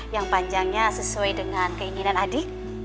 yang panjangnya sesuai dengan keinginan adi